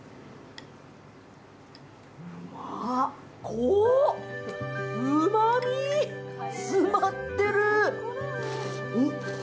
濃い、うまみ詰まってる。